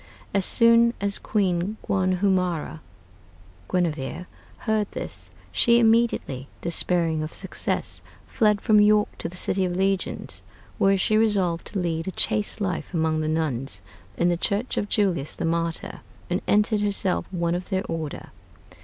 As soon as Queen Guanhumara [Guinevere] heard this, she immediately, despairing of success, fled from York to the City of Legions, where she resolved to lead a chaste life among the nuns in the church of Julius the Martyr, and entered herself one of their order....